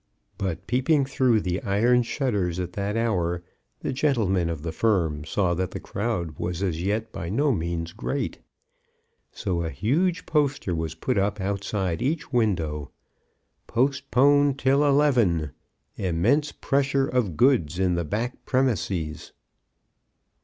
But peeping through the iron shutters at that hour, the gentlemen of the firm saw that the crowd was as yet by no means great. So a huge poster was put up outside each window: POSTPONED TILL ELEVEN. IMMENSE PRESSURE OF GOODS IN THE BACK PREMISES.